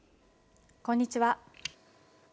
こんにちは。